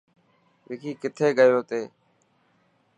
وڪي ڪٿي گيو تي.